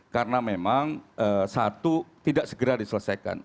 karena memang satu tidak segera diselesaikan